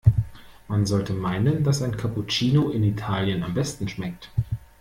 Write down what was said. Man sollte meinen, dass ein Cappuccino in Italien am besten schmeckt.